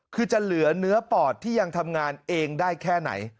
คือจะเหลือเนื้อปอดที่ยังทำงานเองได้แค่ไหน